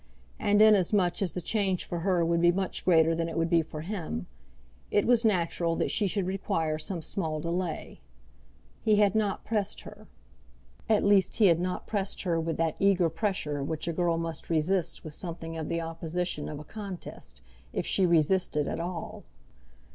And, inasmuch as the change for her would be much greater than it would be for him, it was natural that she should require some small delay. He had not pressed her. At least he had not pressed her with that eager pressure which a girl must resist with something of the opposition of a contest, if she resist it at all.